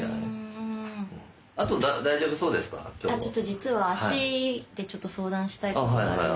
実は足でちょっと相談したいことがあって。